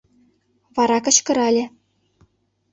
Вара кычкырале: